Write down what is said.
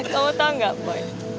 kamu tau gak poi